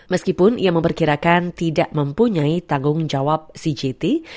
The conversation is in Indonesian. meskipun ia memperkirakan tidak mempunyai tanggung jawab cgt